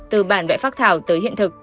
từ bản vẽ phát thảo tới hiện thực